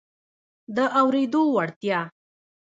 د اورېدو وړتیا